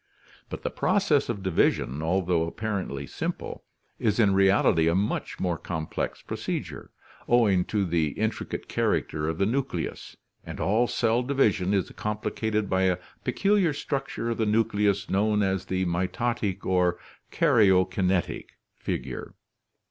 But the process of division, although apparently simple, is in reality a much more complex procedure, owing to the intricate character of the nucleus, and all cell division is complicated by a peculiar structure of the nucleus known as the mitotic or karyo kinetic figure.